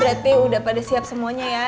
berarti udah pada siap semuanya ya